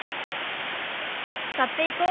買っていこう。